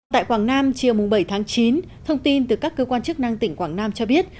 tại quảng nam chiều bảy tháng chín thông tin từ các cơ quan chức năng tỉnh quảng nam cho biết